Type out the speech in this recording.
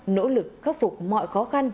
nỗ lực khắc phục mọi khó khăn